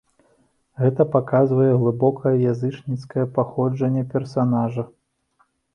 Гэта паказвае глыбока язычніцкае паходжанне персанажа.